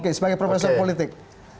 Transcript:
oke sebagai profesor politik